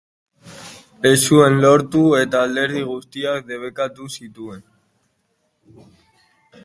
Ez zuen lortu, eta alderdi guztiak debekatu zituen.